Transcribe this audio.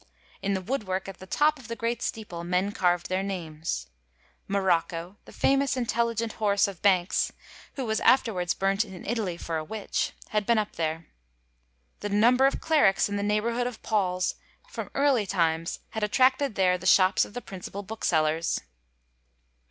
In the woodwork at the top of the great steeple men carvd their names. Morocco, the famous intelligent horse of Bankes', who was after wards burnt in Italy for a witch, had been up there. The number of clerics in the neighborhood of Paul's from early times had attracted there the shops of the piincipal booksellers.